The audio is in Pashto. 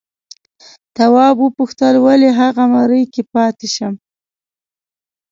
تواب وپوښتل ولې هغه مري که پاتې شم؟